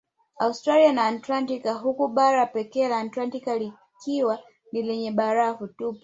Austiralia na Antaktika huku bara pekee la Antaktika likiwa ni lenye barafu tupu